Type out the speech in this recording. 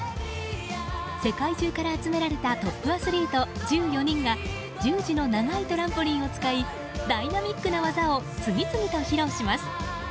世界中から集められたトップアスリート１４人が長いトランポリンを使いダイナミックな技を次々と披露します。